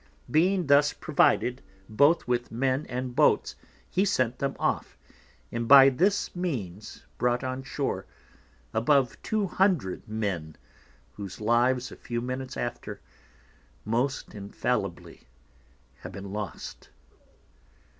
Being thus provided both with Men and Boats he sent them off, and by this means brought on Shore above 200 Men, whose Lives a few Minutes after, must infallibly ha' been lost.